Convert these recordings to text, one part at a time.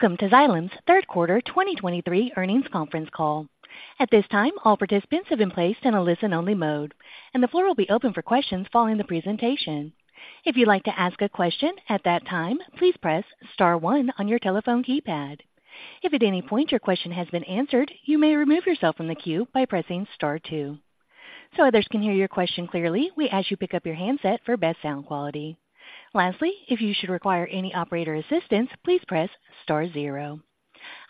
Welcome to Xylem's third quarter 2023 earnings conference call. At this time, all participants have been placed in a listen-only mode, and the floor will be open for questions following the presentation. If you'd like to ask a question at that time, please press star one on your telephone keypad. If at any point your question has been answered, you may remove yourself from the queue by pressing star two. So others can hear your question clearly, we ask you pick up your handset for best sound quality. Lastly, if you should require any operator assistance, please press star zero.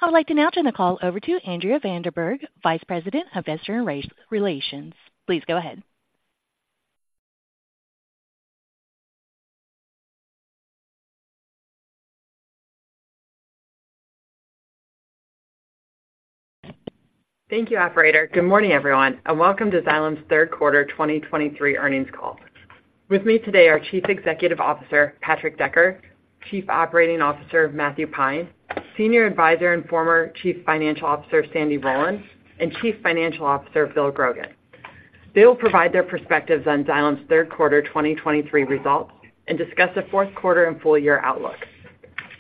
I would like to now turn the call over to Andrea van der Berg, Vice President of Investor Relations. Please go ahead. Thank you, operator. Good morning, everyone, and welcome to Xylem's third quarter 2023 earnings call. With me today are Chief Executive Officer, Patrick Decker, Chief Operating Officer, Matthew Pine, Senior Advisor and former Chief Financial Officer, Sandy Rowland, and Chief Financial Officer, Bill Grogan. They will provide their perspectives on Xylem's third quarter 2023 results and discuss the fourth quarter and full-year outlook.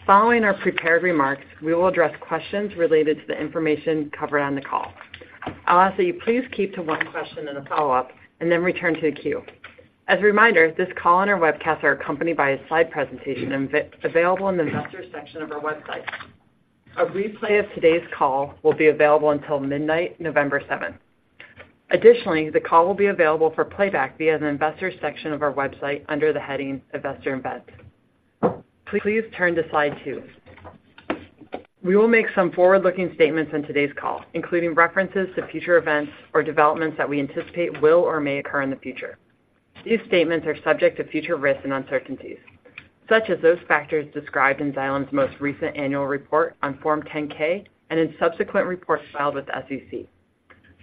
Following our prepared remarks, we will address questions related to the information covered on the call. I'll ask that you please keep to one question and a follow-up, and then return to the queue. As a reminder, this call and our webcast are accompanied by a slide presentation and available in the Investors section of our website. A replay of today's call will be available until midnight, November seventh. Additionally, the call will be available for playback via the Investors section of our website under the heading Investor Events. Please turn to slide two. We will make some forward-looking statements on today's call, including references to future events or developments that we anticipate will or may occur in the future. These statements are subject to future risks and uncertainties, such as those factors described in Xylem's most recent annual report on Form 10-K and in subsequent reports filed with the SEC.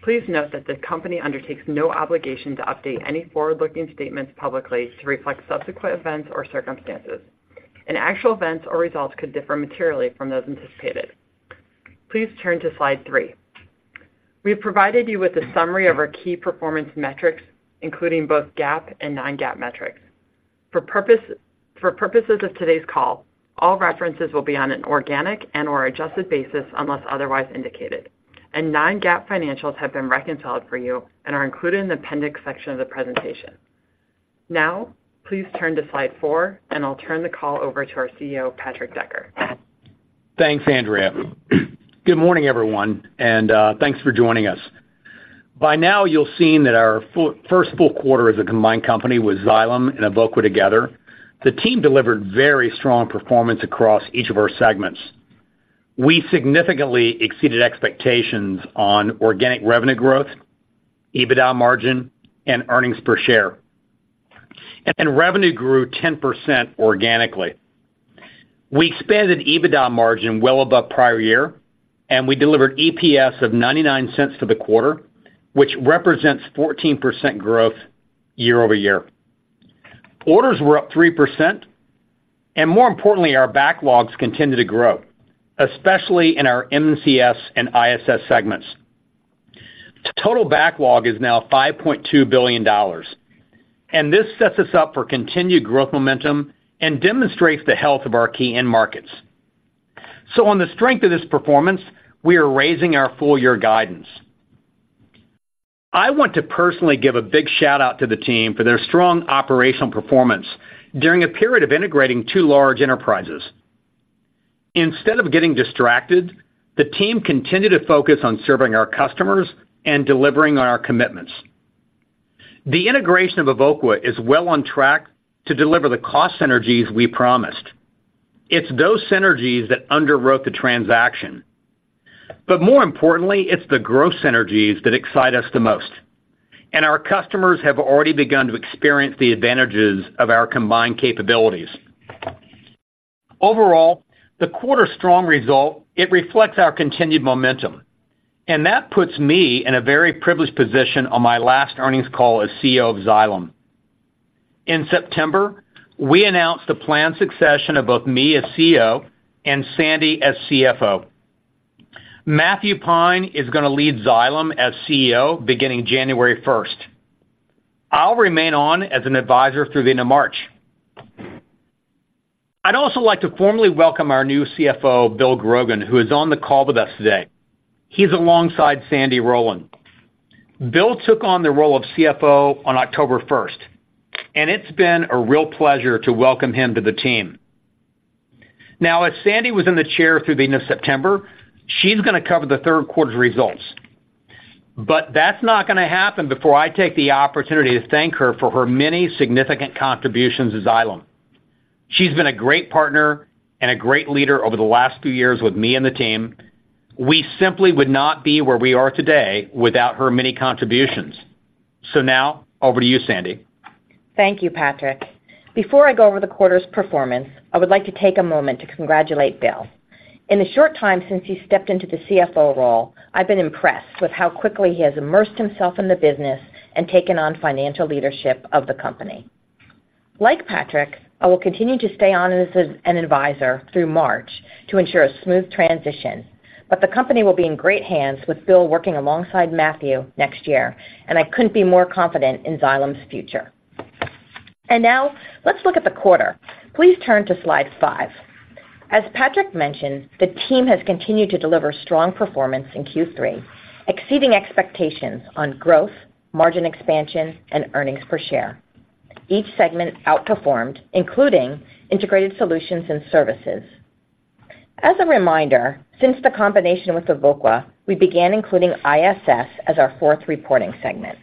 Please note that the company undertakes no obligation to update any forward-looking statements publicly to reflect subsequent events or circumstances, and actual events or results could differ materially from those anticipated. Please turn to slide three. We have provided you with a summary of our key performance metrics, including both GAAP and non-GAAP metrics. For purposes of today's call, all references will be on an organic and/or adjusted basis unless otherwise indicated, and non-GAAP financials have been reconciled for you and are included in the appendix section of the presentation. Now, please turn to slide four, and I'll turn the call over to our CEO, Patrick Decker. Thanks, Andrea. Good morning, everyone, and thanks for joining us. By now, you'll have seen that our first full quarter as a combined company with Xylem and Evoqua together, the team delivered very strong performance across each of our segments. We significantly exceeded expectations on organic revenue growth, EBITDA margin, and earnings per share, and revenue grew 10% organically. We expanded EBITDA margin well above prior year, and we delivered EPS of $0.99 for the quarter, which represents 14% growth year-over-year. Orders were up 3%, and more importantly, our backlogs continued to grow, especially in our M&CS and ISS segments. Total backlog is now $5.2 billion, and this sets us up for continued growth momentum and demonstrates the health of our key end markets. So on the strength of this performance, we are raising our full-year guidance. I want to personally give a big shout out to the team for their strong operational performance during a period of integrating two large enterprises. Instead of getting distracted, the team continued to focus on serving our customers and delivering on our commitments. The integration of Evoqua is well on track to deliver the cost synergies we promised. It's those synergies that underwrote the transaction. But more importantly, it's the growth synergies that excite us the most, and our customers have already begun to experience the advantages of our combined capabilities. Overall, the quarter's strong result. It reflects our continued momentum, and that puts me in a very privileged position on my last earnings call as CEO of Xylem. In September, we announced the planned succession of both me as CEO and Sandy as CFO. Matthew Pine is going to lead Xylem as CEO beginning January 1st. I'll remain on as an advisor through the end of March. I'd also like to formally welcome our new CFO, Bill Grogan, who is on the call with us today. He's alongside Sandy Rowland. Bill took on the role of CFO on October first, and it's been a real pleasure to welcome him to the team. Now, as Sandy was in the chair through the end of September, she's going to cover the third quarter's results. But that's not going to happen before I take the opportunity to thank her for her many significant contributions to Xylem. She's been a great partner and a great leader over the last few years with me and the team. We simply would not be where we are today without her many contributions. So now, over to you, Sandy. Thank you, Patrick. Before I go over the quarter's performance, I would like to take a moment to congratulate Bill. In the short time since he stepped into the CFO role, I've been impressed with how quickly he has immersed himself in the business and taken on financial leadership of the company. Like Patrick, I will continue to stay on as an advisor through March to ensure a smooth transition, but the company will be in great hands with Bill working alongside Matthew next year, and I couldn't be more confident in Xylem's future.... And now let's look at the quarter. Please turn to Slide five. As Patrick mentioned, the team has continued to deliver strong performance in Q3, exceeding expectations on growth, margin expansion, and earnings per share. Each segment outperformed, including Integrated Solutions and Services. As a reminder, since the combination with Evoqua, we began including ISS as our fourth reporting segment.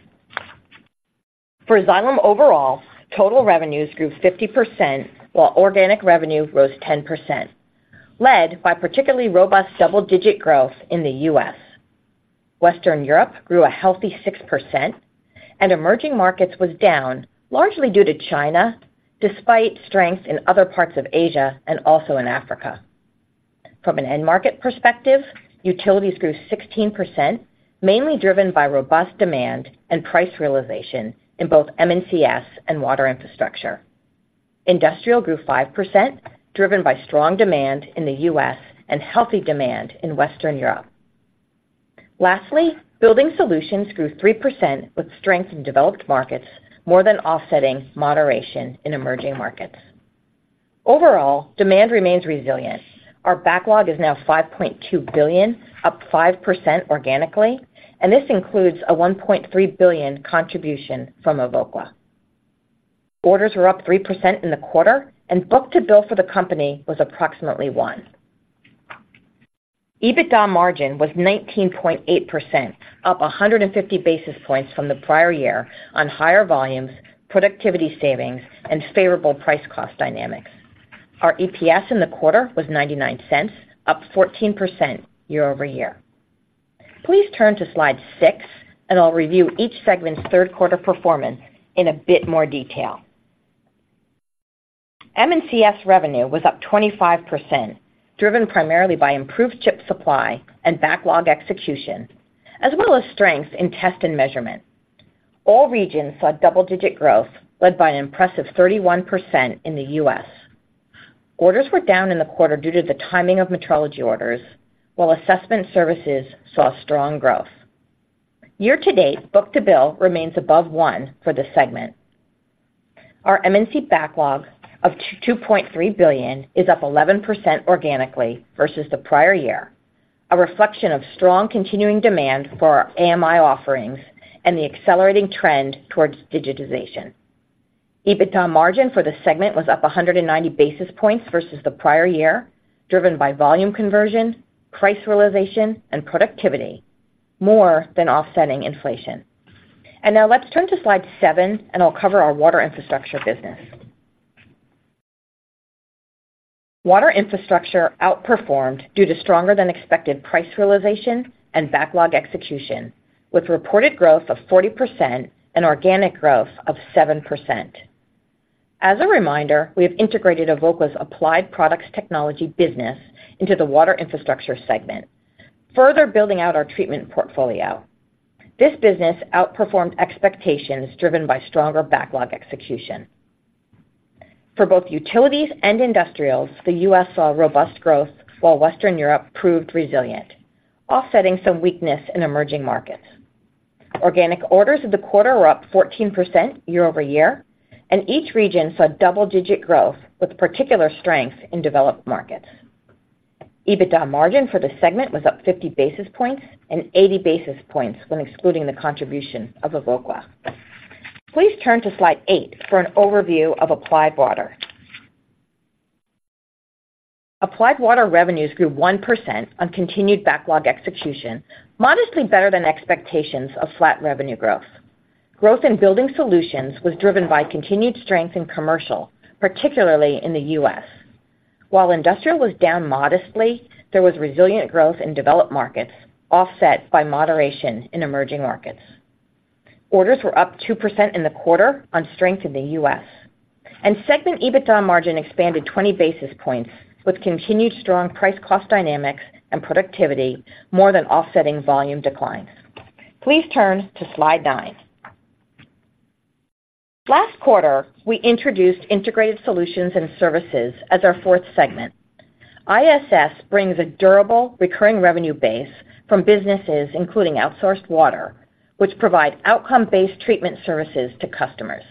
For Xylem overall, total revenues grew 50%, while organic revenue rose 10%, led by particularly robust double-digit growth in the U.S. Western Europe grew a healthy 6%, and emerging markets was down, largely due to China, despite strength in other parts of Asia and also in Africa. From an end market perspective, utilities grew 16%, mainly driven by robust demand and price realization in both M&CS and Water Infrastructure. Industrial grew 5%, driven by strong demand in the U.S. and healthy demand in Western Europe. Lastly, building solutions grew 3%, with strength in developed markets more than offsetting moderation in emerging markets. Overall, demand remains resilient. Our backlog is now $5.2 billion, up 5% organically, and this includes a $1.3 billion contribution from Evoqua. Orders were up 3% in the quarter, and book-to-bill for the company was approximately one. EBITDA margin was 19.8%, up 150 basis points from the prior year on higher volumes, productivity savings, and favorable price cost dynamics. Our EPS in the quarter was $0.99, up 14% year-over-year. Please turn to Slide six, and I'll review each segment's third quarter performance in a bit more detail. M&CS revenue was up 25%, driven primarily by improved chip supply and backlog execution, as well as strength in test and measurement. All regions saw double-digit growth, led by an impressive 31% in the US. Orders were down in the quarter due to the timing of metrology orders, while assessment services saw strong growth. Year-to-date, book-to-bill remains above one for this segment. Our M&C backlog of $2.3 billion is up 11% organically versus the prior year, a reflection of strong continuing demand for our AMI offerings and the accelerating trend towards digitization. EBITDA margin for the segment was up 190 basis points versus the prior year, driven by volume conversion, price realization, and productivity, more than offsetting inflation. And now let's turn to Slide seven, and I'll cover our Water Infrastructure business. Water infrastructure outperformed due to stronger than expected price realization and backlog execution, with reported growth of 40% and organic growth of 7%. As a reminder, we have integrated Evoqua's Applied Product Technologies business into the Water Infrastructure segment, further building out our treatment portfolio. This business outperformed expectations, driven by stronger backlog execution. For both utilities and industrials, the U.S. saw robust growth, while Western Europe proved resilient, offsetting some weakness in emerging markets. Organic orders of the quarter were up 14% year-over-year, and each region saw double-digit growth, with particular strength in developed markets. EBITDA margin for the segment was up 50 basis points and 80 basis points when excluding the contribution of Evoqua. Please turn to Slide eight for an overview of Applied Water. Applied Water revenues grew 1% on continued backlog execution, modestly better than expectations of flat revenue growth. Growth in building solutions was driven by continued strength in commercial, particularly in the U.S. While industrial was down modestly, there was resilient growth in developed markets, offset by moderation in emerging markets. Orders were up 2% in the quarter on strength in the U.S., and segment EBITDA margin expanded 20 basis points, with continued strong price cost dynamics and productivity, more than offsetting volume declines. Please turn to Slide nine. Last quarter, we introduced Integrated Solutions and Services as our fourth segment. ISS brings a durable, recurring revenue base from businesses, including outsourced water, which provide outcome-based treatment services to customers.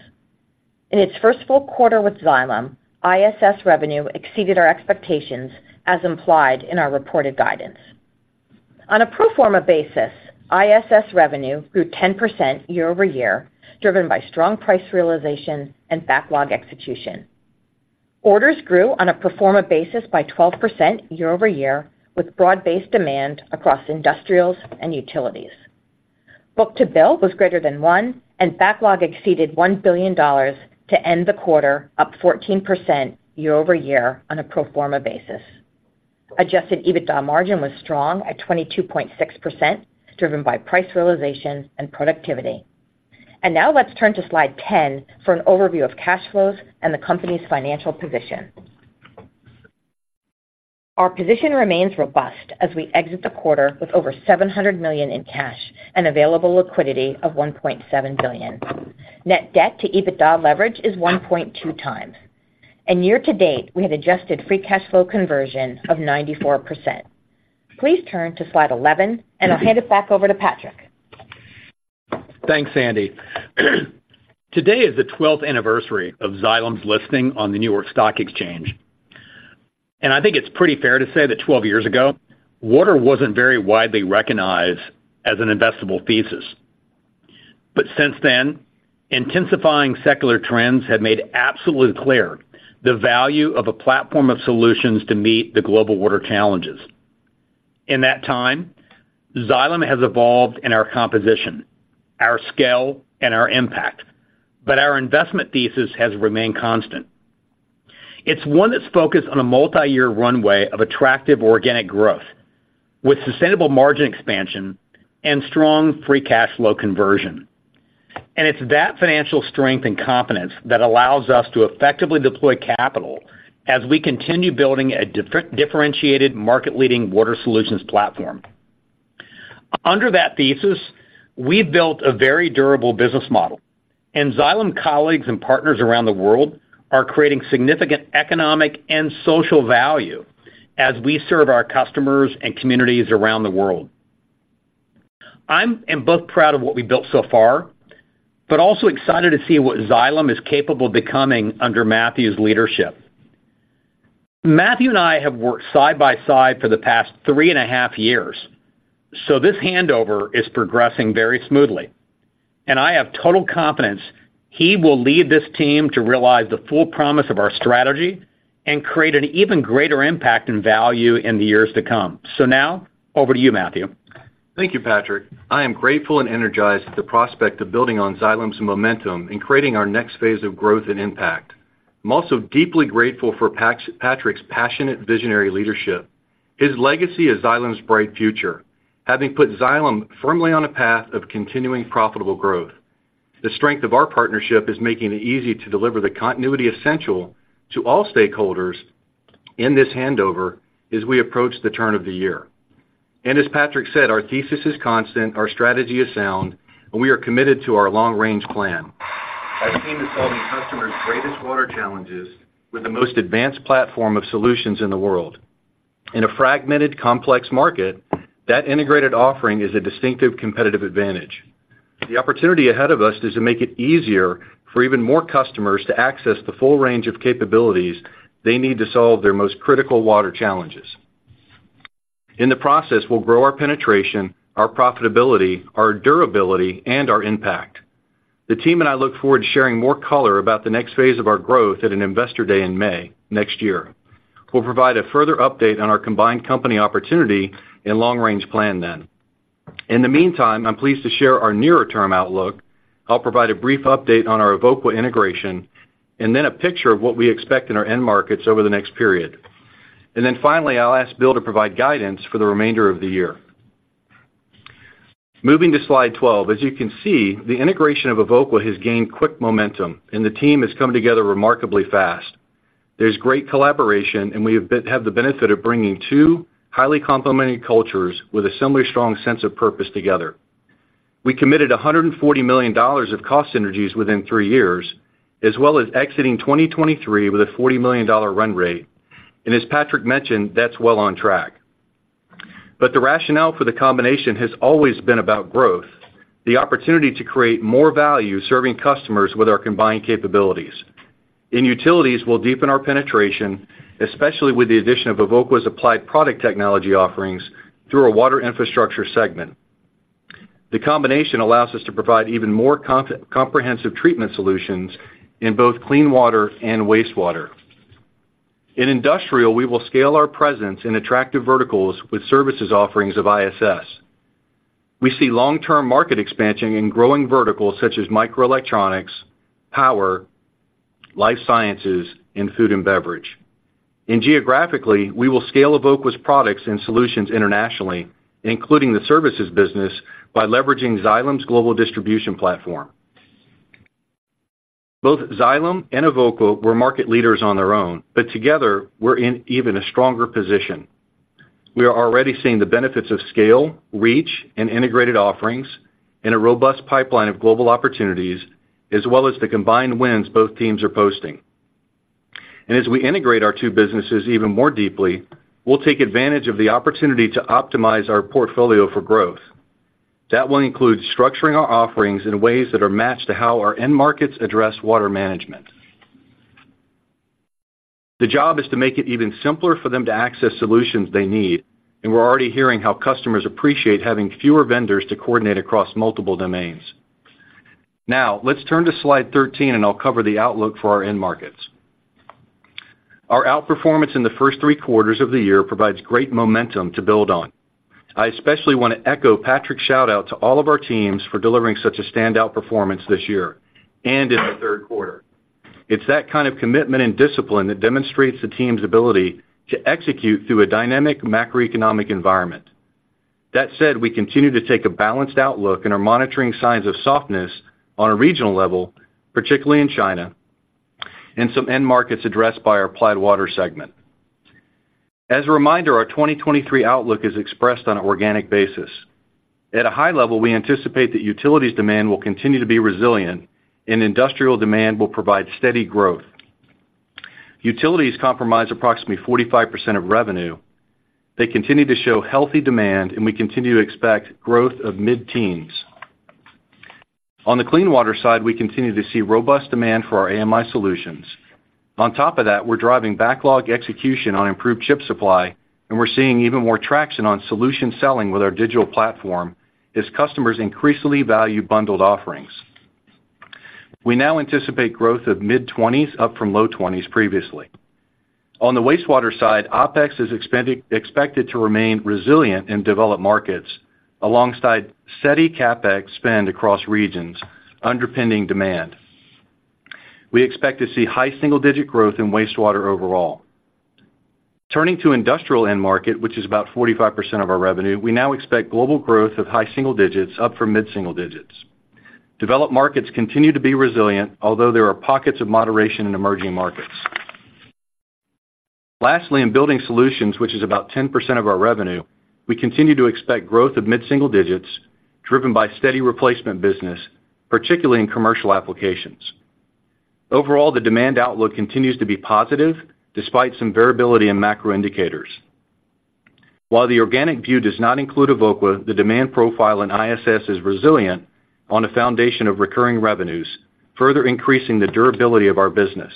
In its first full quarter with Xylem, ISS revenue exceeded our expectations, as implied in our reported guidance. On a pro forma basis, ISS revenue grew 10% year-over-year, driven by strong price realization and backlog execution. Orders grew on a pro forma basis by 12% year-over-year, with broad-based demand across industrials and utilities. Book-to-bill was greater than one, and backlog exceeded $1 billion to end the quarter, up 14% year-over-year on a pro forma basis. Adjusted EBITDA margin was strong at 22.6%, driven by price realization and productivity. And now let's turn to Slide 10 for an overview of cash flows and the company's financial position. Our position remains robust as we exit the quarter with over $700 million in cash and available liquidity of $1.7 billion. Net debt to EBITDA leverage is 1.2x, and year-to-date, we have adjusted free cash flow conversion of 94%.... Please turn to Slide 11, and I'll hand it back over to Patrick. Thanks, Sandy. Today is the 12th anniversary of Xylem's listing on the New York Stock Exchange, and I think it's pretty fair to say that 12 years ago, water wasn't very widely recognized as an investable thesis. But since then, intensifying secular trends have made absolutely clear the value of a platform of solutions to meet the global water challenges. In that time, Xylem has evolved in our composition, our scale, and our impact, but our investment thesis has remained constant. It's one that's focused on a multiyear runway of attractive organic growth, with sustainable margin expansion and strong free cash flow conversion. And it's that financial strength and confidence that allows us to effectively deploy capital as we continue building a differentiated, market-leading water solutions platform. Under that thesis, we've built a very durable business model, and Xylem colleagues and partners around the world are creating significant economic and social value as we serve our customers and communities around the world. I'm both proud of what we've built so far, but also excited to see what Xylem is capable of becoming under Matthew's leadership. Matthew and I have worked side by side for the past three and a half years, so this handover is progressing very smoothly, and I have total confidence he will lead this team to realize the full promise of our strategy and create an even greater impact and value in the years to come. Now, over to you, Matthew. Thank you, Patrick. I am grateful and energized at the prospect of building on Xylem's momentum and creating our next phase of growth and impact. I'm also deeply grateful for Patrick's passionate, visionary leadership. His legacy is Xylem's bright future, having put Xylem firmly on a path of continuing profitable growth. The strength of our partnership is making it easy to deliver the continuity essential to all stakeholders in this handover as we approach the turn of the year. And as Patrick said, our thesis is constant, our strategy is sound, and we are committed to our long-range plan. Our team is solving customers' greatest water challenges with the most advanced platform of solutions in the world. In a fragmented, complex market, that integrated offering is a distinctive competitive advantage. The opportunity ahead of us is to make it easier for even more customers to access the full range of capabilities they need to solve their most critical water challenges. In the process, we'll grow our penetration, our profitability, our durability, and our impact. The team and I look forward to sharing more color about the next phase of our growth at an investor day in May next year. We'll provide a further update on our combined company opportunity and long-range plan then. In the meantime, I'm pleased to share our nearer-term outlook. I'll provide a brief update on our Evoqua integration, and then a picture of what we expect in our end markets over the next period. And then finally, I'll ask Bill to provide guidance for the remainder of the year. Moving to slide 12, as you can see, the integration of Evoqua has gained quick momentum, and the team has come together remarkably fast. There's great collaboration, and we have the benefit of bringing two highly complementary cultures with a similarly strong sense of purpose together. We committed $140 million of cost synergies within three years, as well as exiting 2023 with a $40 million run rate, and as Patrick mentioned, that's well on track. But the rationale for the combination has always been about growth, the opportunity to create more value serving customers with our combined capabilities. In utilities, we'll deepen our penetration, especially with the addition of Evoqua's applied product technology offerings through our Water Infrastructure segment. The combination allows us to provide even more comprehensive treatment solutions in both clean water and wastewater. In industrial, we will scale our presence in attractive verticals with services offerings of ISS. We see long-term market expansion in growing verticals such as microelectronics, power, life sciences, and food and beverage. Geographically, we will scale Evoqua's products and solutions internationally, including the services business, by leveraging Xylem's global distribution platform. Both Xylem and Evoqua were market leaders on their own, but together, we're in even a stronger position. We are already seeing the benefits of scale, reach, and integrated offerings, and a robust pipeline of global opportunities, as well as the combined wins both teams are posting. As we integrate our two businesses even more deeply, we'll take advantage of the opportunity to optimize our portfolio for growth. That will include structuring our offerings in ways that are matched to how our end markets address water management. The job is to make it even simpler for them to access solutions they need, and we're already hearing how customers appreciate having fewer vendors to coordinate across multiple domains. Now, let's turn to slide 13, and I'll cover the outlook for our end markets. Our outperformance in the first three quarters of the year provides great momentum to build on. I especially want to echo Patrick's shout-out to all of our teams for delivering such a standout performance this year and in the third quarter. It's that kind of commitment and discipline that demonstrates the team's ability to execute through a dynamic macroeconomic environment. That said, we continue to take a balanced outlook and are monitoring signs of softness on a regional level, particularly in China, and some end markets addressed by our Applied Water segment. As a reminder, our 2023 outlook is expressed on an organic basis. At a high level, we anticipate that utilities demand will continue to be resilient, and industrial demand will provide steady growth.... Utilities comprise approximately 45% of revenue. They continue to show healthy demand, and we continue to expect growth of mid-teens. On the clean water side, we continue to see robust demand for our AMI solutions. On top of that, we're driving backlog execution on improved chip supply, and we're seeing even more traction on solution selling with our digital platform as customers increasingly value bundled offerings. We now anticipate growth of mid-20s, up from low 20s previously. On the wastewater side, OpEx is expected to remain resilient in developed markets, alongside steady CapEx spend across regions, underpinning demand. We expect to see high single-digit growth in wastewater overall. Turning to industrial end market, which is about 45% of our revenue, we now expect global growth of high single digits, up from mid-single digits. Developed markets continue to be resilient, although there are pockets of moderation in emerging markets. Lastly, in building solutions, which is about 10% of our revenue, we continue to expect growth of mid-single digits, driven by steady replacement business, particularly in commercial applications. Overall, the demand outlook continues to be positive, despite some variability in macro indicators. While the organic view does not include Evoqua, the demand profile in ISS is resilient on a foundation of recurring revenues, further increasing the durability of our business.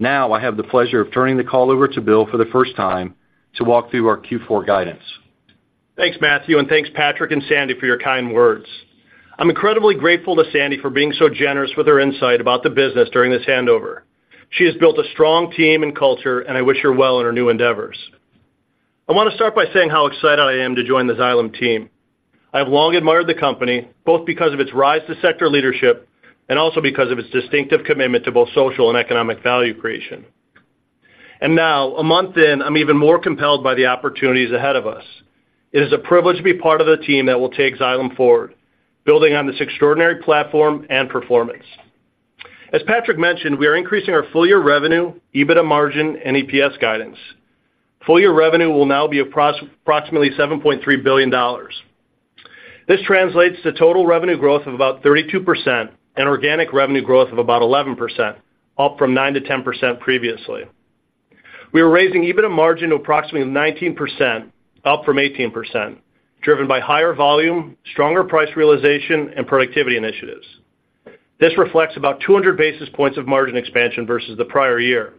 Now, I have the pleasure of turning the call over to Bill for the first time to walk through our Q4 guidance. Thanks, Matthew, and thanks, Patrick and Sandy, for your kind words. I'm incredibly grateful to Sandy for being so generous with her insight about the business during this handover. She has built a strong team and culture, and I wish her well in her new endeavors. I want to start by saying how excited I am to join the Xylem team. I have long admired the company, both because of its rise to sector leadership and also because of its distinctive commitment to both social and economic value creation. And now, a month in, I'm even more compelled by the opportunities ahead of us. It is a privilege to be part of the team that will take Xylem forward, building on this extraordinary platform and performance. As Patrick mentioned, we are increasing our full-year revenue, EBITDA margin, and EPS guidance. Full-year revenue will now be approximately $7.3 billion. This translates to total revenue growth of about 32% and organic revenue growth of about 11%, up from 9%-10% previously. We are raising EBITDA margin to approximately 19%, up from 18%, driven by higher volume, stronger price realization, and productivity initiatives. This reflects about 200 basis points of margin expansion versus the prior year.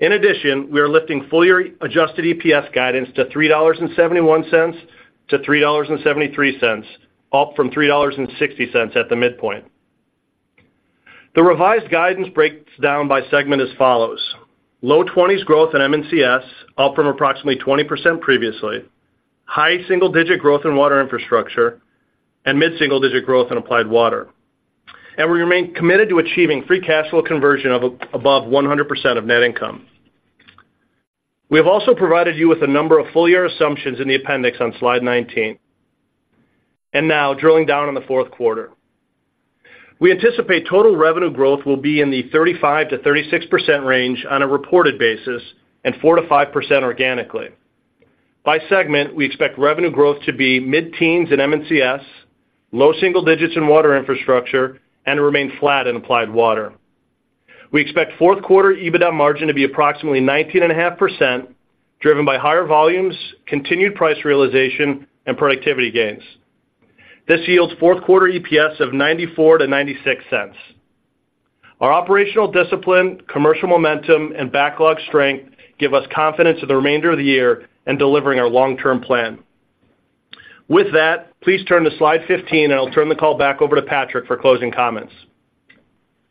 In addition, we are lifting full-year adjusted EPS guidance to $3.71-3.73, up from $3.60 at the midpoint. The revised guidance breaks down by segment as follows: low twenties growth in M&CS, up from approximately 20% previously, high single-digit growth in Water Infrastructure, and mid-single-digit growth in Applied Water. We remain committed to achieving free cash flow conversion of above 100% of net income. We have also provided you with a number of full-year assumptions in the appendix on slide 19. Now, drilling down on the fourth quarter. We anticipate total revenue growth will be in the 35%-36% range on a reported basis, and 4%-5% organically. By segment, we expect revenue growth to be mid-teens in M&CS, low single digits in Water Infrastructure, and remain flat in Applied Water. We expect fourth quarter EBITDA margin to be approximately 19.5%, driven by higher volumes, continued price realization, and productivity gains. This yields fourth quarter EPS of $0.94-0.96. Our operational discipline, commercial momentum, and backlog strength give us confidence in the remainder of the year in delivering our long-term plan. With that, please turn to slide 15, and I'll turn the call back over to Patrick for closing comments.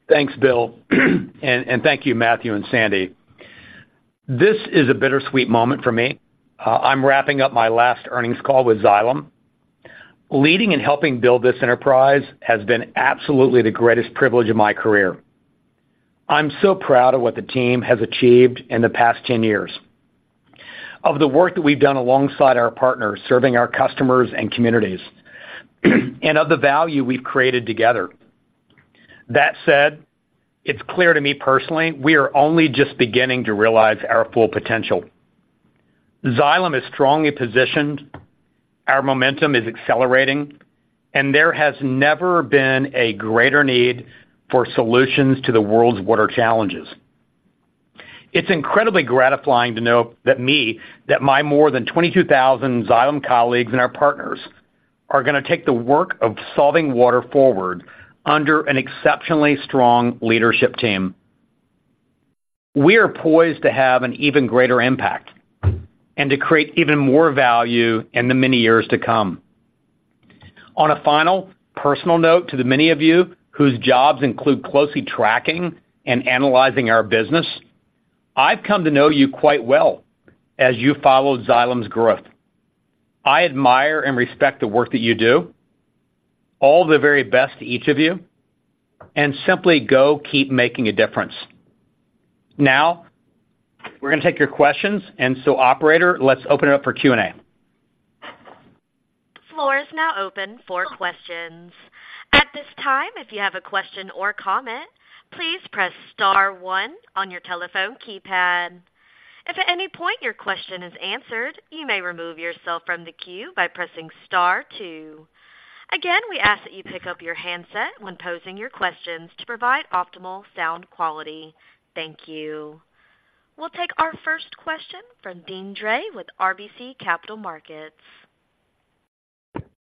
Thanks, Bill, and thank you, Matthew and Sandy. This is a bittersweet moment for me. I'm wrapping up my last earnings call with Xylem. Leading and helping build this enterprise has been absolutely the greatest privilege of my career. I'm so proud of what the team has achieved in the past 10 years, of the work that we've done alongside our partners, serving our customers and communities, and of the value we've created together. That said, it's clear to me personally, we are only just beginning to realize our full potential. Xylem is strongly positioned, our momentum is accelerating, and there has never been a greater need for solutions to the world's water challenges. It's incredibly gratifying to know that me, that my more than 22,000 Xylem colleagues and our partners, are gonna take the work of solving water forward under an exceptionally strong leadership team. We are poised to have an even greater impact and to create even more value in the many years to come. On a final personal note to the many of you whose jobs include closely tracking and analyzing our business, I've come to know you quite well as you followed Xylem's growth. I admire and respect the work that you do. All the very best to each of you, and simply go keep making a difference. Now, we're gonna take your questions, and so operator, let's open it up for Q&A. The floor is now open for questions. At this time, if you have a question or comment, please press star one on your telephone keypad.... If at any point your question is answered, you may remove yourself from the queue by pressing star two. Again, we ask that you pick up your handset when posing your questions to provide optimal sound quality. Thank you. We'll take our first question from Deane Dray with RBC Capital Markets.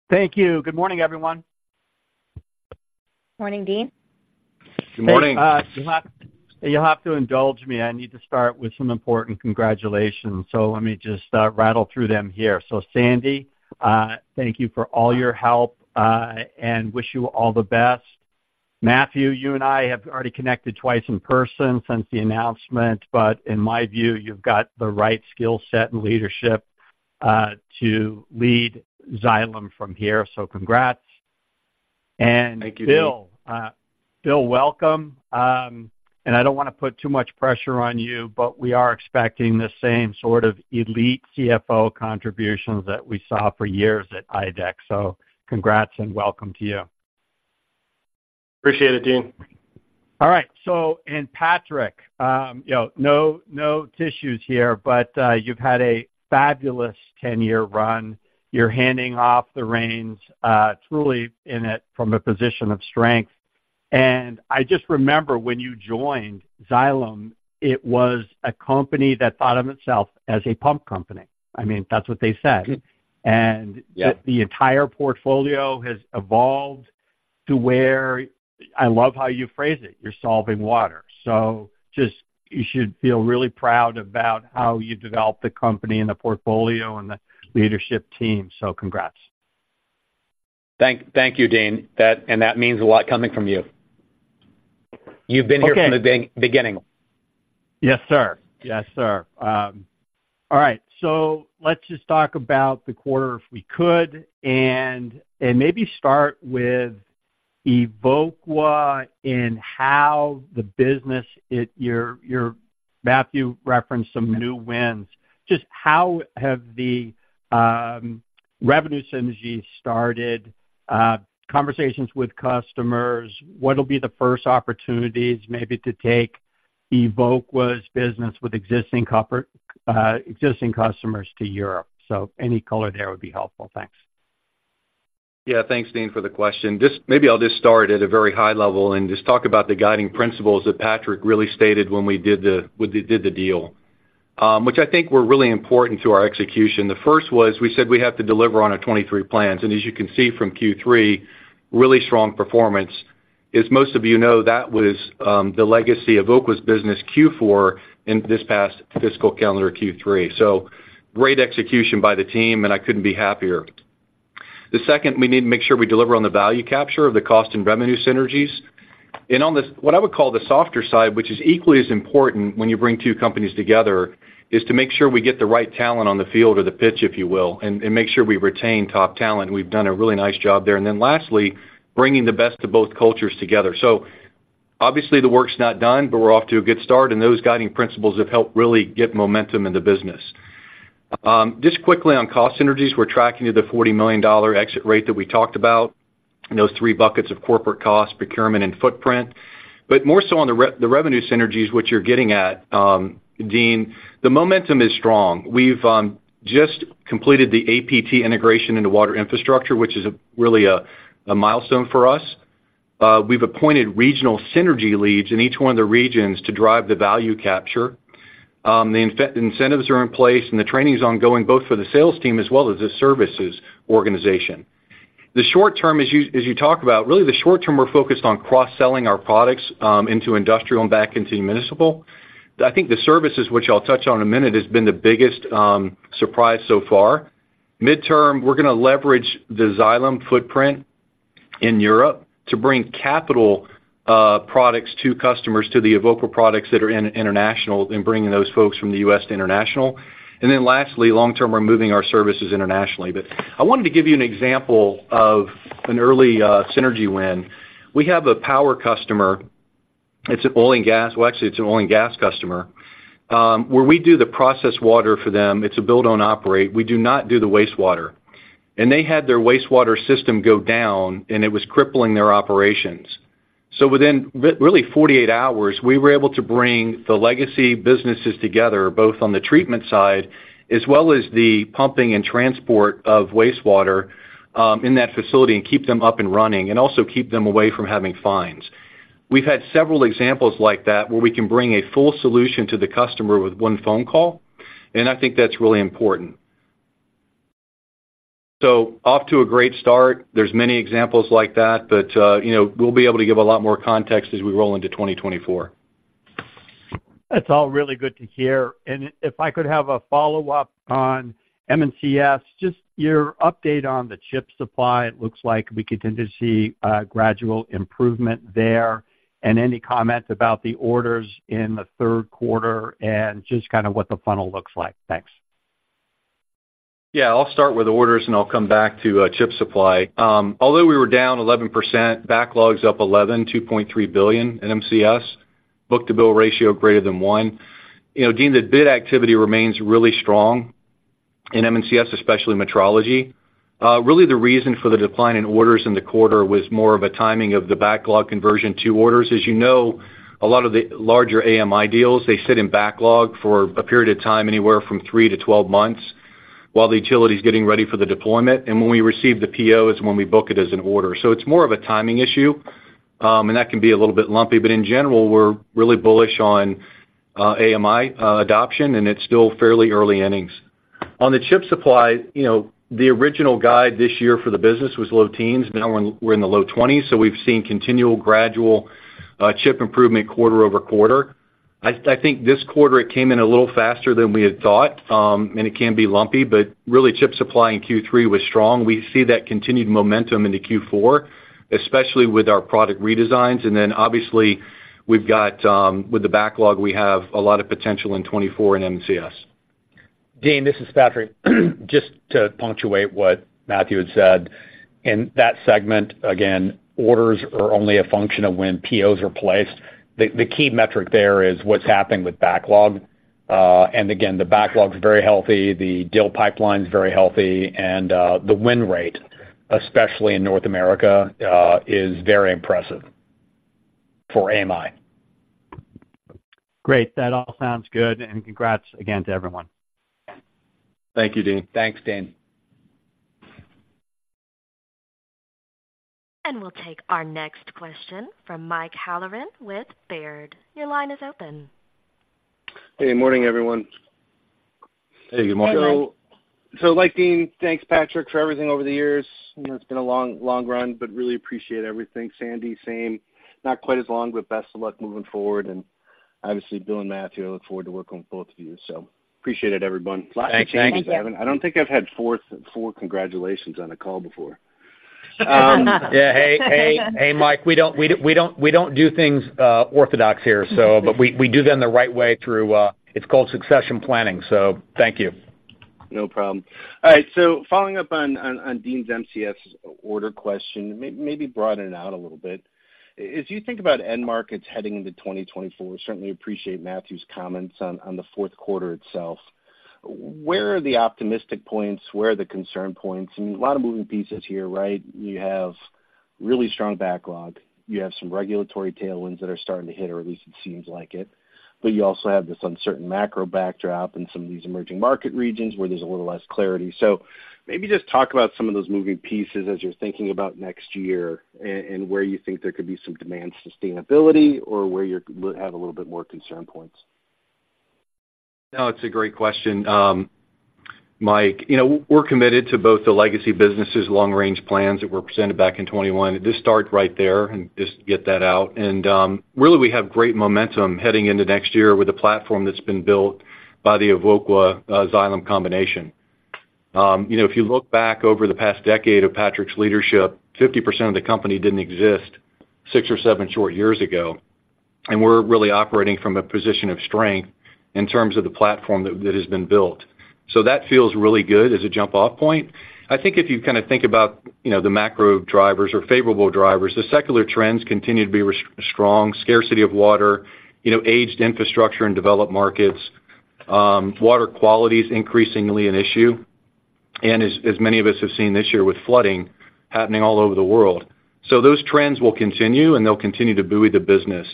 Thank you. Good morning, everyone. Morning, Deane. Good morning. You'll have, you'll have to indulge me. I need to start with some important congratulations, so let me just, rattle through them here. So, Sandy, thank you for all your help, and wish you all the best. Matthew, you and I have already connected twice in person since the announcement, but in my view, you've got the right skill set and leadership, to lead Xylem from here, so congrats. Thank you, Deane. And Bill, Bill, welcome. And I don't wanna put too much pressure on you, but we are expecting the same sort of elite CFO contributions that we saw for years at IDEX. So congrats and welcome to you. Appreciate it, Deane. All right. So and Patrick, you know, no, no tissues here, but, you've had a fabulous 10-year run. You're handing off the reins, truly in it from a position of strength. And I just remember when you joined Xylem, it was a company that thought of itself as a pump company. I mean, that's what they said. Yeah. The entire portfolio has evolved to where I love how you phrase it, you're solving water. So just, you should feel really proud about how you developed the company and the portfolio and the leadership team. So congrats. Thank you, Deane. That and that means a lot coming from you. Okay. You've been here from the beginning. Yes, sir. Yes, sir. All right, so let's just talk about the quarter, if we could, and, and maybe start with Evoqua and how the business it—your, your—Matthew referenced some new wins. Just how have the revenue synergies started conversations with customers? What will be the first opportunities maybe to take Evoqua's business with existing Xylem—existing customers to Europe? So any color there would be helpful. Thanks. Yeah. Thanks, Deane, for the question. Just maybe I'll just start at a very high level and just talk about the guiding principles that Patrick really stated when we did the, we did the deal, which I think were really important to our execution. The first was we said we have to deliver on our 23 plans, and as you can see from Q3, really strong performance. As most of you know, that was, the legacy Evoqua's business Q4 in this past fiscal calendar, Q3. So great execution by the team, and I couldn't be happier. The second, we need to make sure we deliver on the value capture of the cost and revenue synergies. On the, what I would call the softer side, which is equally as important when you bring two companies together, is to make sure we get the right talent on the field or the pitch, if you will, and, and make sure we retain top talent. We've done a really nice job there. And then lastly, bringing the best of both cultures together. So obviously, the work's not done, but we're off to a good start, and those guiding principles have helped really get momentum in the business. Just quickly on cost synergies, we're tracking to the $40 million exit rate that we talked about, in those three buckets of corporate cost, procurement, and footprint. But more so on the revenue synergies, which you're getting at, Deane, the momentum is strong. We've just completed the APT integration into Water Infrastructure, which is really a milestone for us. We've appointed regional synergy leads in each one of the regions to drive the value capture. The incentives are in place, and the training is ongoing, both for the sales team as well as the services organization. The short term, as you talk about, really the short term, we're focused on cross-selling our products into industrial and back into municipal. I think the services, which I'll touch on in a minute, has been the biggest surprise so far. Midterm, we're gonna leverage the Xylem footprint in Europe to bring capital products to customers, to the Evoqua products that are in international, and bringing those folks from the U.S. to international. And then lastly, long term, we're moving our services internationally. I wanted to give you an example of an early synergy win. We have a power customer, it's an oil and gas, actually, it's an oil and gas customer, where we do the process water for them, it's a build-own-operate. We do not do the wastewater. They had their wastewater system go down, and it was crippling their operations. Within really 48 hours, we were able to bring the legacy businesses together, both on the treatment side, as well as the pumping and transport of wastewater, in that facility and keep them up and running, and also keep them away from having fines. We've had several examples like that, where we can bring a full solution to the customer with one phone call, and I think that's really important. Off to a great start. There's many examples like that, but, you know, we'll be able to give a lot more context as we roll into 2024. That's all really good to hear. If I could have a follow-up on M&CS, just your update on the chip supply? It looks like we continue to see a gradual improvement there. Any comment about the orders in the third quarter and just kind of what the funnel looks like? Thanks. Yeah, I'll start with orders and I'll come back to chip supply. Although we were down 11%, backlogs up 11%, $2.3 billion in M&CS, book-to-bill ratio greater than 1. You know, Deane, the bid activity remains really strong in M&CS, especially metrology. Really the reason for the decline in orders in the quarter was more of a timing of the backlog conversion to orders. As you know, a lot of the larger AMI deals, they sit in backlog for a period of time, anywhere from 3-12 months, while the utility is getting ready for the deployment, and when we receive the PO is when we book it as an order. So it's more of a timing issue, and that can be a little bit lumpy, but in general, we're really bullish on AMI adoption, and it's still fairly early innings. On the chip supply, you know, the original guide this year for the business was low teens. Now we're in the low twenties, so we've seen continual gradual chip improvement quarter over quarter. I think this quarter it came in a little faster than we had thought, and it can be lumpy, but really, chip supply in Q3 was strong. We see that continued momentum into Q4, especially with our product redesigns, and then obviously, we've got, with the backlog, we have a lot of potential in '2024 in M&Cs. Deane, this is Patrick. Just to punctuate what Matthew had said, in that segment, again, orders are only a function of when POs are placed. The key metric there is what's happening with backlog. And again, the backlog's very healthy, the deal pipeline's very healthy, and the win rate, especially in North America, is very impressive for AMI. Great, that all sounds good, and congrats again to everyone. Thank you, Deane. Thanks, Deane. We'll take our next question from Mike Halloran with Baird. Your line is open. Hey, good morning, everyone. Hey, good morning. So, so like Deane, thanks, Patrick, for everything over the years. You know, it's been a long, long run, but really appreciate everything. Sandy, same. Not quite as long, but best of luck moving forward. And obviously, Bill and Matthew, I look forward to working with both of you. So appreciate it, everyone. Thanks. Thanks. I don't think I've had four congratulations on a call before. Yeah. Hey, hey, hey, Mike, we don't do things orthodox here, so but we do them the right way through, it's called succession planning, so thank you. No problem. All right, so following up on Deane's MCS order question, maybe broaden it out a little bit. As you think about end markets heading into 2024, we certainly appreciate Matthew's comments on the fourth quarter itself. Where are the optimistic points? Where are the concern points? And a lot of moving pieces here, right? You have really strong backlog. You have some regulatory tailwinds that are starting to hit, or at least it seems like it, but you also have this uncertain macro backdrop in some of these emerging market regions where there's a little less clarity. So maybe just talk about some of those moving pieces as you're thinking about next year and where you think there could be some demand sustainability or where you have a little bit more concern points. No, it's a great question, Mike. You know, we're committed to both the legacy businesses' long-range plans that were presented back in 2021. This starts right there, and just get that out. Really, we have great momentum heading into next year with the platform that's been built by the Evoqua, Xylem combination. You know, if you look back over the past decade of Patrick's leadership, 50% of the company didn't exist six or seven short years ago, and we're really operating from a position of strength in terms of the platform that has been built. So that feels really good as a jump-off point. I think if you kind of think about, you know, the macro drivers or favorable drivers, the secular trends continue to be strong, scarcity of water, you know, aged infrastructure in developed markets, water quality is increasingly an issue, and as many of us have seen this year, with flooding happening all over the world. So those trends will continue, and they'll continue to buoy the business.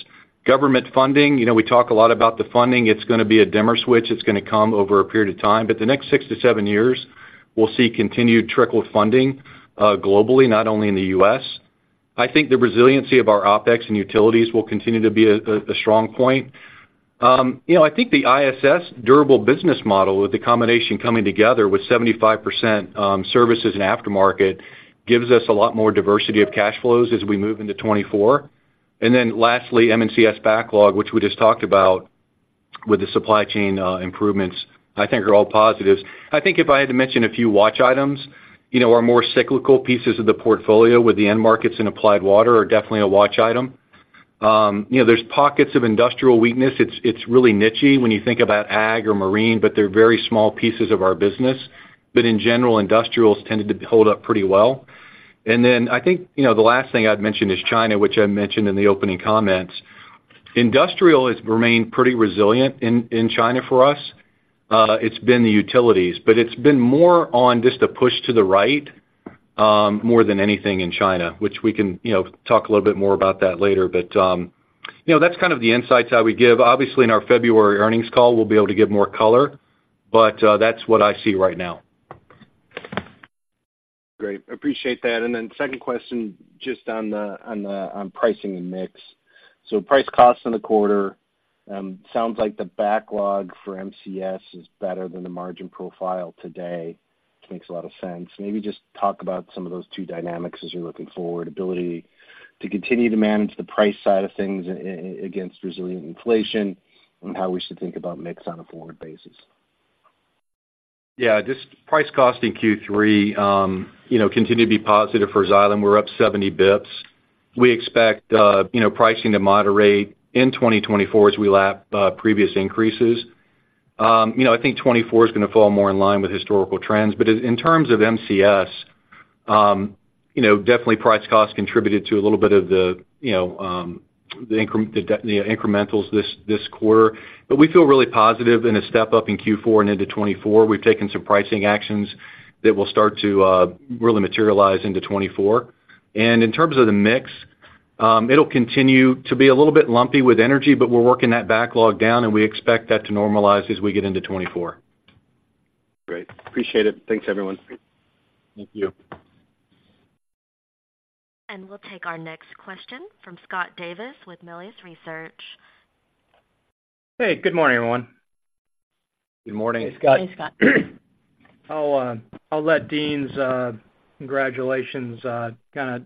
Government funding, you know, we talk a lot about the funding. It's gonna be a dimmer switch. It's gonna come over a period of time, but the next six to seven years, we'll see continued trickle funding, globally, not only in the U.S. I think the resiliency of our OpEx and utilities will continue to be a strong point. You know, I think the ISS durable business model, with the combination coming together with 75% services and aftermarket, gives us a lot more diversity of cash flows as we move into 2024. And then lastly, MCS backlog, which we just talked about with the supply chain improvements, I think are all positives. I think if I had to mention a few watch items, you know, our more cyclical pieces of the portfolio with the end markets and Applied Water are definitely a watch item. You know, there's pockets of industrial weakness. It's really niche-y when you think about ag or marine, but they're very small pieces of our business. But in general, industrials tended to hold up pretty well. And then I think, you know, the last thing I'd mention is China, which I mentioned in the opening comments. Industrial has remained pretty resilient in, in China for us. It's been the utilities, but it's been more on just a push to the right, more than anything in China, which we can, you know, talk a little bit more about that later. But, you know, that's kind of the insights that we give. Obviously, in our February earnings call, we'll be able to give more color, but, that's what I see right now. Great, appreciate that. And then second question, just on the pricing and mix. So price costs in the quarter sounds like the backlog for MCS is better than the margin profile today. Makes a lot of sense. Maybe just talk about some of those two dynamics as you're looking forward, ability to continue to manage the price side of things against resilient inflation, and how we should think about mix on a forward basis. Yeah, just price cost in Q3, you know, continue to be positive for Xylem. We're up 70 bps. We expect, you know, pricing to moderate in 2024 as we lap previous increases. You know, I think 2024 is gonna fall more in line with historical trends. But in terms of MCS, you know, definitely price cost contributed to a little bit of the, you know, the incrementals this quarter. But we feel really positive in a step up in Q4 and into 2024. We've taken some pricing actions that will start to really materialize into 2024. And in terms of the mix, it'll continue to be a little bit lumpy with energy, but we're working that backlog down, and we expect that to normalize as we get into 2024. Great. Appreciate it. Thanks, everyone. Thank you. We'll take our next question from Scott Davis with Melius Research. Hey, good morning, everyone. Good morning. Hey, Scott. Hey, Scott. I'll let Deane's congratulations kind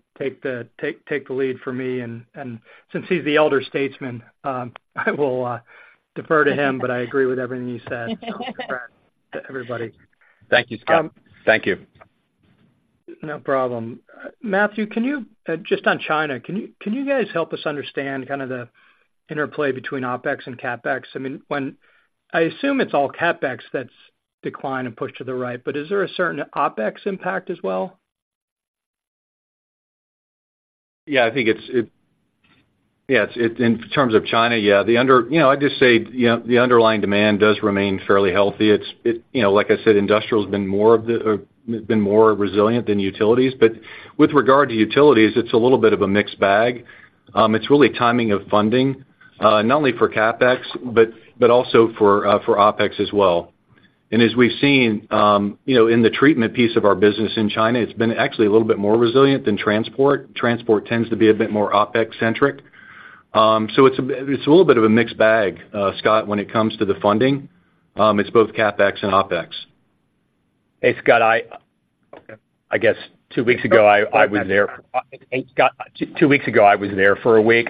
of take the lead for me. And since he's the elder statesman, I will defer to him, but I agree with everything he said to everybody. Thank you, Scott. Thank you. No problem. Matthew, can you just on China, can you, can you guys help us understand kind of the interplay between OpEx and CapEx? I mean, when I assume it's all CapEx that's declined and pushed to the right, but is there a certain OpEx impact as well? Yeah, I think it's in terms of China, yeah. You know, I'd just say, you know, the underlying demand does remain fairly healthy. It's, you know, like I said, industrial's been more resilient than utilities. But with regard to utilities, it's a little bit of a mixed bag. It's really timing of funding, not only for CapEx, but also for OpEx as well. And as we've seen, you know, in the treatment piece of our business in China, it's been actually a little bit more resilient than transport. Transport tends to be a bit more OpEx-centric. So it's a bit, it's a little bit of a mixed bag, Scott, when it comes to the funding. It's both CapEx and OpEx. Hey, Scott, I guess two weeks ago, I was there for a week,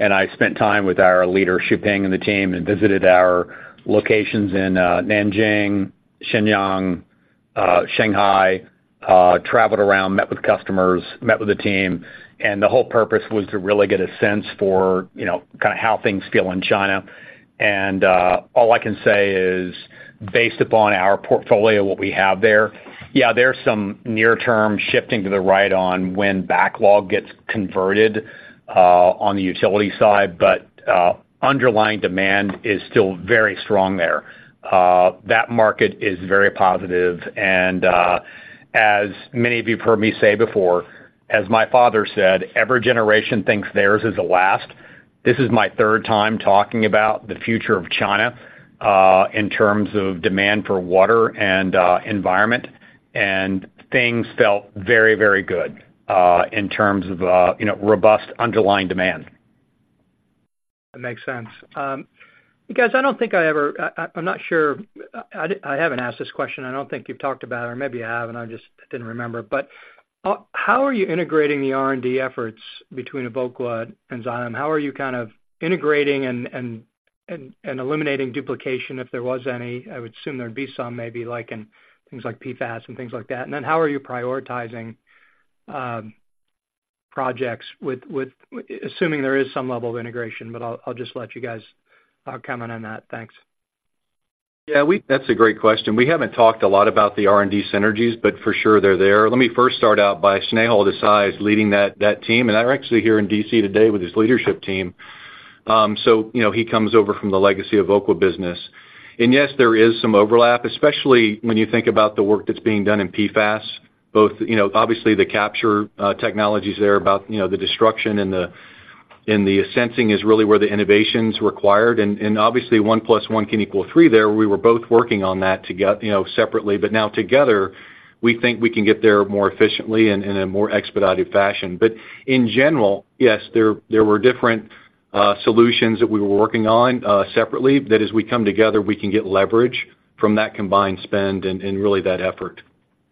and I spent time with our leadership team and the team, and visited our locations in Nanjing, Shenyang, Shanghai, traveled around, met with customers, met with the team, and the whole purpose was to really get a sense for, you know, kind of how things feel in China. All I can say is, based upon our portfolio, what we have there, yeah, there's some near term shifting to the right on when backlog gets converted on the utility side, but underlying demand is still very strong there. That market is very positive, and as many of you heard me say before, as my father said, "Every generation thinks theirs is the last." This is my third time talking about the future of China, in terms of demand for water and environment, and things felt very, very good, in terms of you know, robust underlying demand. That makes sense. You guys, I don't think I ever, I'm not sure, I haven't asked this question. I don't think you've talked about it, or maybe you have, and I just didn't remember. But, how are you integrating the R&D efforts between Evoqua and Xylem? How are you kind of integrating and eliminating duplication, if there was any? I would assume there'd be some, maybe like in things like PFAS and things like that. And then how are you prioritizing projects with assuming there is some level of integration, but I'll just let you guys comment on that. Thanks. Yeah, that's a great question. We haven't talked a lot about the R&D synergies, but for sure they're there. Let me first start out by Snehal Desai is leading that team, and they're actually here in D.C. today with his leadership team. So, you know, he comes over from the legacy Evoqua business. And yes, there is some overlap, especially when you think about the work that's being done in PFAS, both, you know, obviously, the capture technologies there about, you know, the destruction and the sensing is really where the innovation's required. And obviously, one plus one can equal three there. We were both working on that together, you know, separately, but now together, we think we can get there more efficiently and in a more expedited fashion. But in general, yes, there, there were different solutions that we were working on separately, that as we come together, we can get leverage from that combined spend and, and really, that effort.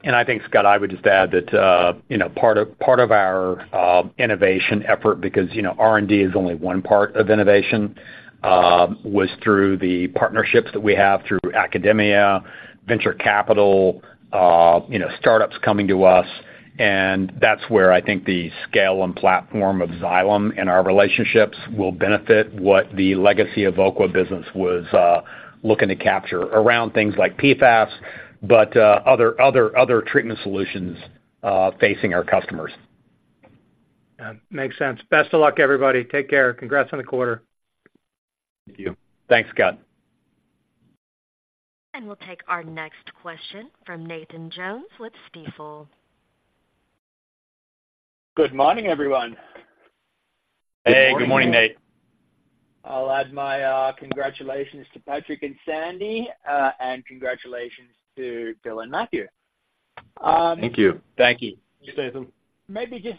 I think, Scott, I would just add that, you know, part of our innovation effort, because, you know, R&D is only one part of innovation, was through the partnerships that we have through academia, venture capital, you know, startups coming to us, and that's where I think the scale and platform of Xylem and our relationships will benefit what the legacy Evoqua business was looking to capture around things like PFAS, but other treatment solutions facing our customers. Makes sense. Best of luck, everybody. Take care. Congrats on the quarter. Thank you. Thanks, Scott. We'll take our next question from Nathan Jones with Stifel. Good morning, everyone. Hey, good morning, Nate. Good morning. I'll add my congratulations to Patrick and Sandy, and congratulations to Bill and Matthew. Thank you. Thank you. Thanks, Nathan. Maybe just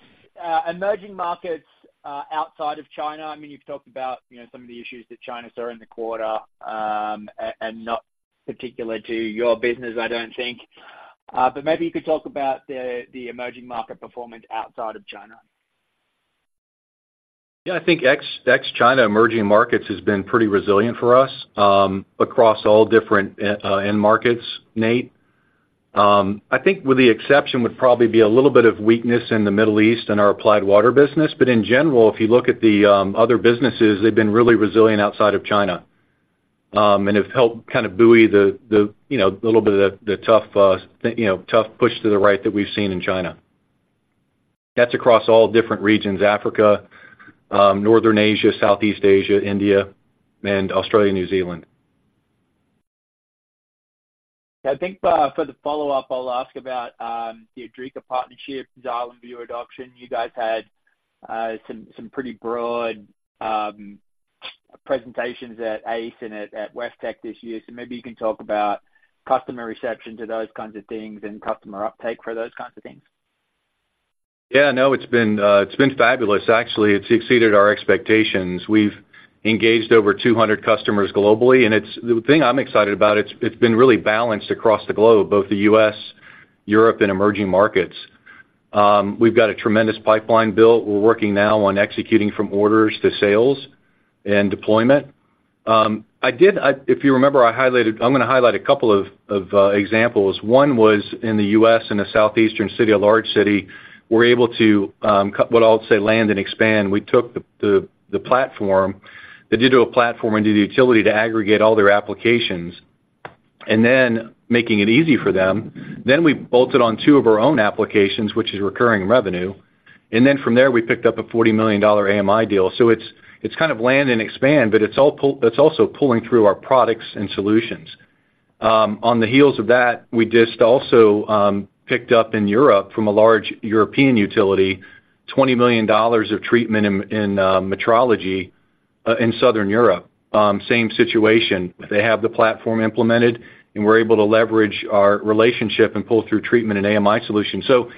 emerging markets outside of China. I mean, you've talked about, you know, some of the issues that China saw in the quarter, and not particular to your business, I don't think. But maybe you could talk about the emerging market performance outside of China. Yeah, I think ex-China emerging markets has been pretty resilient for us across all different end markets, Nate. I think with the exception, would probably be a little bit of weakness in the Middle East and our Applied Water business. But in general, if you look at the other businesses, they've been really resilient outside of China and have helped kind of buoy the, you know, a little bit of the tough push to the right that we've seen in China. That's across all different regions, Africa, Northern Asia, Southeast Asia, India, and Australia, New Zealand. I think, for the follow-up, I'll ask about the Idrica partnership, Xylem Vue adoption. You guys had some pretty broad presentations at ACE and at WEFTEC this year. So maybe you can talk about customer reception to those kinds of things and customer uptake for those kinds of things. Yeah, no, it's been, it's been fabulous. Actually, it's exceeded our expectations. We've engaged over 200 customers globally, and it's the thing I'm excited about, it's been really balanced across the globe, both the US, Europe and emerging markets. We've got a tremendous pipeline built. We're working now on executing from orders to sales and deployment. I did, if you remember, I highlighted. I'm gonna highlight a couple of examples. One was in the US, in a southeastern city, a large city, we're able to cut what I'll say, land and expand. We took the platform, the digital platform into the utility to aggregate all their applications, and then making it easy for them. Then we bolted on two of our own applications, which is recurring revenue, and then from there, we picked up a $40 million AMI deal. So it's kind of land and expand, but it's all pull, it's also pulling through our products and solutions. On the heels of that, we just also picked up in Europe from a large European utility, $20 million of treatment and metrology in Southern Europe. Same situation. They have the platform implemented, and we're able to leverage our relationship and pull through treatment and AMI solution. So,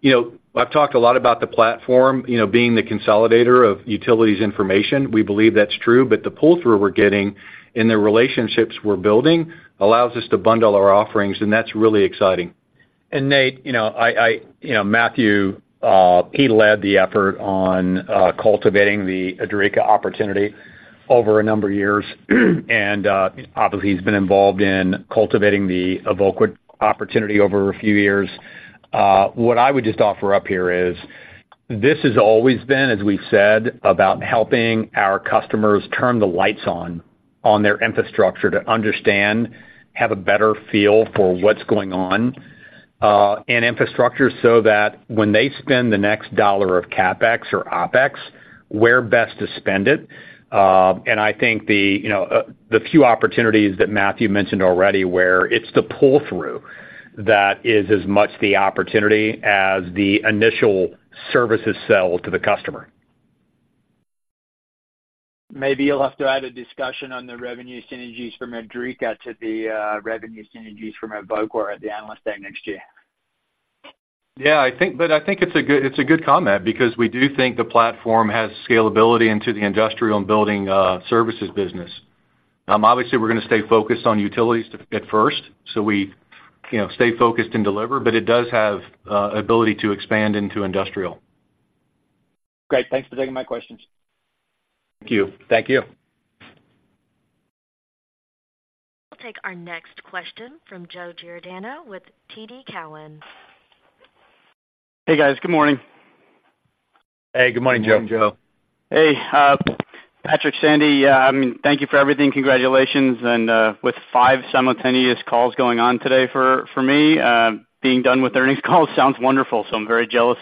you know, I've talked a lot about the platform, you know, being the consolidator of utilities information. We believe that's true, but the pull-through we're getting and the relationships we're building allows us to bundle our offerings, and that's really exciting. And Nate, you know, I, I, you know, Matthew, he led the effort on, cultivating the Idrica opportunity over a number of years. And, obviously, he's been involved in cultivating the Evoqua opportunity over a few years. What I would just offer up here is, this has always been, as we've said, about helping our customers turn the lights on, on their infrastructure to understand, have a better feel for what's going on, in infrastructure, so that when they spend the next dollar of CapEx or OpEx, where best to spend it. And I think the, you know, the few opportunities that Matthew mentioned already, where it's the pull-through that is as much the opportunity as the initial services sell to the customer. Maybe you'll have to add a discussion on the revenue synergies from Idrica to the revenue synergies from Evoqua at the Analyst Day next year. Yeah, I think, but I think it's a good, it's a good comment, because we do think the platform has scalability into the industrial and building services business. Obviously, we're gonna stay focused on utilities at first, so we, you know, stay focused and deliver, but it does have ability to expand into industrial. Great. Thanks for taking my questions. Thank you. Thank you. We'll take our next question from Joe Giordano with TD Cowen. Hey, guys. Good morning. Hey, good morning, Joe. Good morning, Joe. Hey, Patrick, Sandy, thank you for everything. Congratulations, and with five simultaneous calls going on today for me, being done with earnings calls sounds wonderful, so I'm very jealous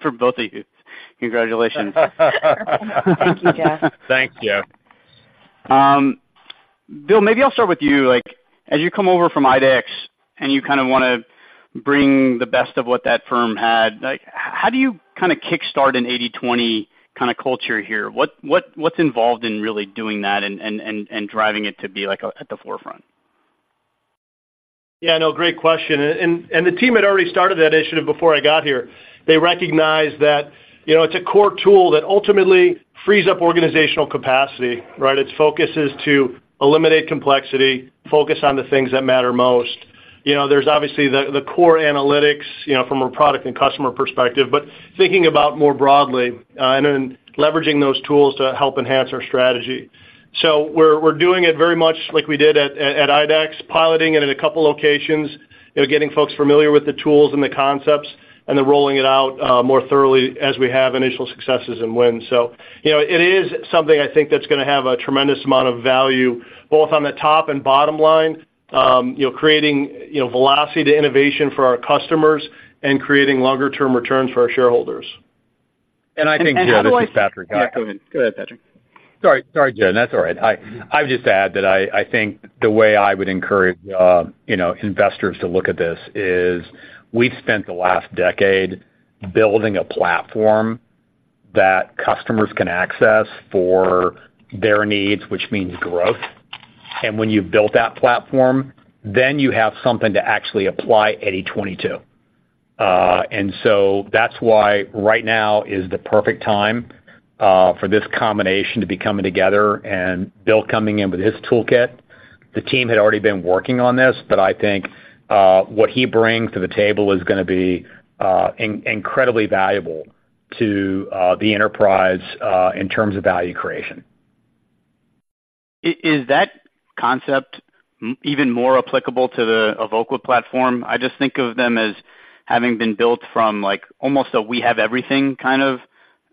for both of you. Congratulations. Thank you, Joe. Thanks, Joe. Bill, maybe I'll start with you. Like, as you come over from IDEX and you kind of want to bring the best of what that firm had, like, how do you kind of kickstart an 80/20 kind of culture here? What's involved in really doing that and driving it to be, like, at the forefront? Yeah, no, great question. And the team had already started that initiative before I got here. They recognized that, you know, it's a core tool that ultimately frees up organizational capacity, right? Its focus is to eliminate complexity, focus on the things that matter most. You know, there's obviously the core analytics, you know, from a product and customer perspective, but thinking about more broadly, and then leveraging those tools to help enhance our strategy. So we're doing it very much like we did at IDEX, piloting it in a couple locations, you know, getting folks familiar with the tools and the concepts, and then rolling it out more thoroughly as we have initial successes and wins. So, you know, it is something I think that's gonna have a tremendous amount of value, both on the top and bottom line, you know, creating, you know, velocity to innovation for our customers and creating longer term returns for our shareholders. I think, Joe, this is Patrick. Yeah, go ahead. Go ahead, Patrick. Sorry, sorry, Joe. That's all right. I would just add that I think the way I would encourage, you know, investors to look at this is, we've spent the last decade building a platform that customers can access for their needs, which means growth. And when you've built that platform, then you have something to actually apply 80/20 to. And so that's why right now is the perfect time for this combination to be coming together and Bill coming in with his toolkit. The team had already been working on this, but I think what he brings to the table is gonna be incredibly valuable to the enterprise in terms of value creation. Is that concept even more applicable to the Evoqua platform? I just think of them as having been built from, like, almost a, "We have everything," kind of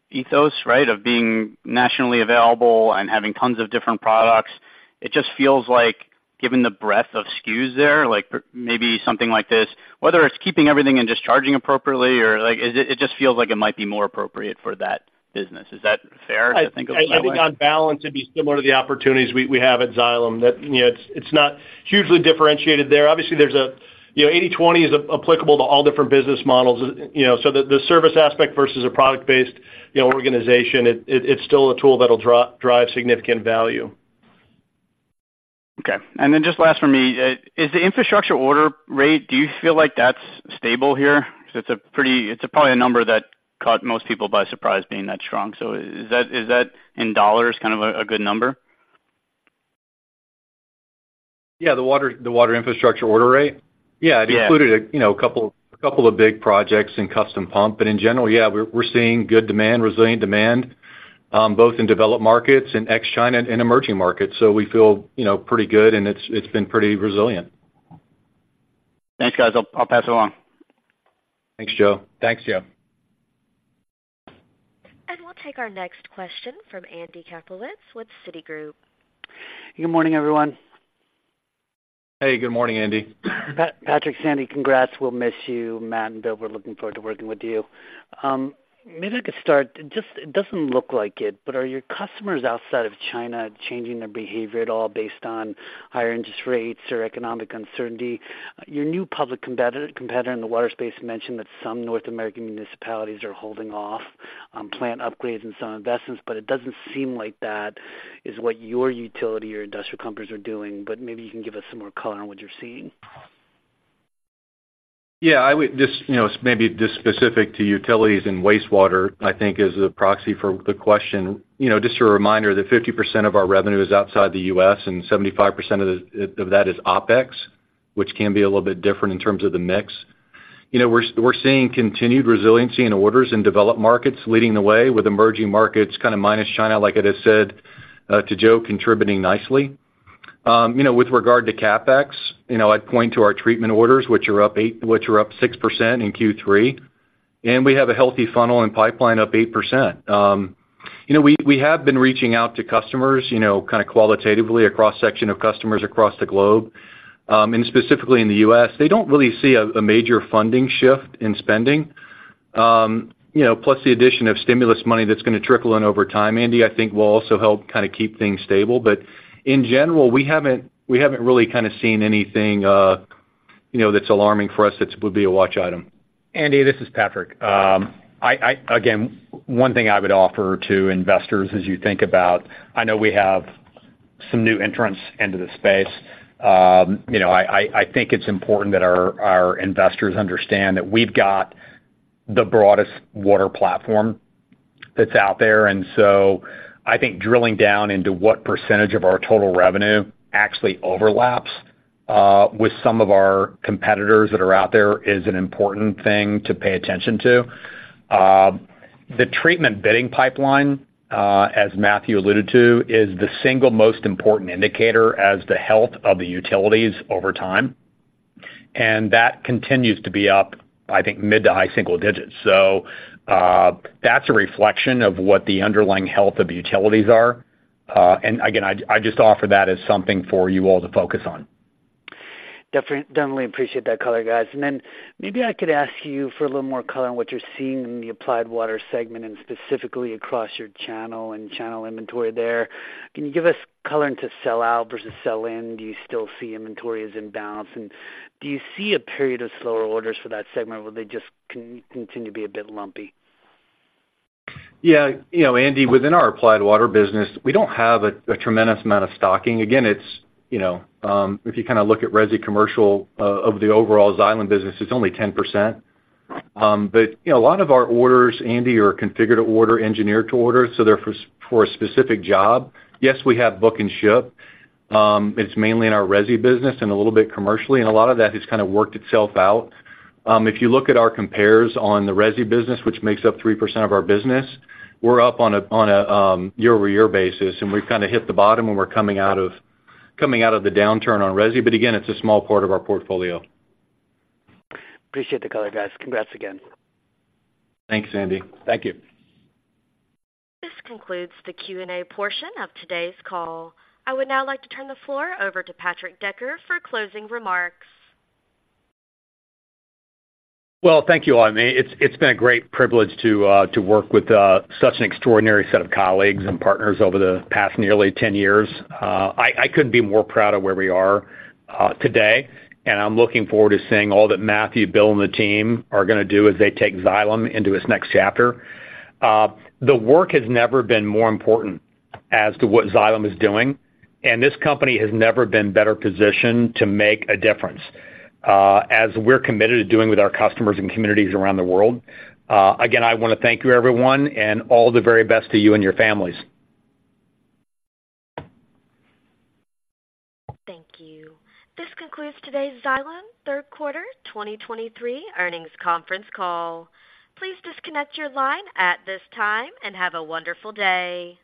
ethos, right? Of being nationally available and having tons of different products. It just feels like, given the breadth of SKUs there, like, maybe something like this, whether it's keeping everything and just charging appropriately or like, is it it just feels like it might be more appropriate for that business. Is that fair to think of it that way? I think on balance, it'd be similar to the opportunities we have at Xylem, that you know, it's not hugely differentiated there. Obviously, there's a you know, 80/20 is applicable to all different business models, you know, so the service aspect versus a product-based you know, organization, it's still a tool that'll drive significant value. Okay. And then just last for me, is the infrastructure order rate, do you feel like that's stable here? Because it's probably a number that caught most people by surprise, being that strong. So is that in dollars, kind of a good number? Yeah, the water, the Water Infrastructure order rate? Yeah. Yeah, it included a, you know, a couple, couple of big projects in custom pump. But in general, yeah, we're, we're seeing good demand, resilient demand, both in developed markets and ex-China and emerging markets. So we feel, you know, pretty good, and it's, it's been pretty resilient. Thanks, guys. I'll pass it along. Thanks, Joe. Thanks, Joe. We'll take our next question from Andy Kaplowitz with Citigroup. Good morning, everyone. Hey, good morning, Andy. Patrick, Sandy, congrats. We'll miss you, Matt and Bill. We're looking forward to working with you. Maybe I could start. Just, it doesn't look like it, but are your customers outside of China changing their behavior at all based on higher interest rates or economic uncertainty? Your new public competitor in the water space mentioned that some North American municipalities are holding off on plant upgrades and some investments, but it doesn't seem like that is what your utility or industrial companies are doing, but maybe you can give us some more color on what you're seeing. Yeah, I would just, you know, maybe just specific to utilities and wastewater, I think is a proxy for the question. You know, just a reminder that 50% of our revenue is outside the U.S., and 75% of the, of that is OpEx, which can be a little bit different in terms of the mix. You know, we're, we're seeing continued resiliency in orders in developed markets, leading the way with emerging markets, kind of minus China, like I just said, to Joe, contributing nicely. You know, with regard to CapEx, you know, I'd point to our treatment orders, which are up six percent in Q3, and we have a healthy funnel and pipeline up 8%. You know, we, we have been reaching out to customers, you know, kind of qualitatively, a cross-section of customers across the globe, and specifically in the U.S. They don't really see a, a major funding shift in spending, you know, plus the addition of stimulus money that's gonna trickle in over time, Andy, I think will also help kind of keep things stable. But in general, we haven't, we haven't really kind of seen anything, you know, that's alarming for us that would be a watch item. Andy, this is Patrick. Again, one thing I would offer to investors as you think about, I know we have some new entrants into the space. You know, I think it's important that our investors understand that we've got the broadest water platform that's out there. And so I think drilling down into what percentage of our total revenue actually overlaps with some of our competitors that are out there is an important thing to pay attention to. The treatment bidding pipeline, as Matthew alluded to, is the single most important indicator as the health of the utilities over time, and that continues to be up, I think, mid- to high-single digits. That's a reflection of what the underlying health of the utilities are. Again, I just offer that as something for you all to focus on. Definitely appreciate that color, guys. Then maybe I could ask you for a little more color on what you're seeing in the Applied Water segment and specifically across your channel and channel inventory there. Can you give us color into sell out versus sell in? Do you still see inventory is in balance, and do you see a period of slower orders for that segment, or will they just continue to be a bit lumpy? Yeah, you know, Andy, within our Applied Water business, we don't have a tremendous amount of stocking. Again, it's, you know, if you kind of look at resi commercial of the overall Xylem business, it's only 10%. But, you know, a lot of our orders, Andy, are configured to order, engineered to order, so they're for a specific job. Yes, we have book and ship. It's mainly in our resi business and a little bit commercially, and a lot of that has kind of worked itself out. If you look at our compares on the resi business, which makes up 3% of our business, we're up on a year-over-year basis, and we've kind of hit the bottom, and we're coming out of the downturn on resi. But again, it's a small part of our portfolio. Appreciate the color, guys. Congrats again. Thanks, Andy. Thank you. This concludes the Q&A portion of today's call. I would now like to turn the floor over to Patrick Decker for closing remarks. Well, thank you all. I mean, it's been a great privilege to work with such an extraordinary set of colleagues and partners over the past nearly 10 years. I couldn't be more proud of where we are today, and I'm looking forward to seeing all that Matthew, Bill, and the team are gonna do as they take Xylem into its next chapter. The work has never been more important as to what Xylem is doing, and this company has never been better positioned to make a difference, as we're committed to doing with our customers and communities around the world. Again, I wanna thank you, everyone, and all the very best to you and your families. Thank you. This concludes today's Xylem third quarter 2023 earnings conference call. Please disconnect your line at this time and have a wonderful day.